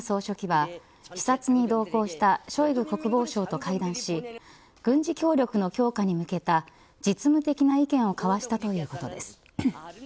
金総書記は視察に同行したショイグ国防相と会談し軍事協力の強化に向けた実務的な意見を交わしたということです。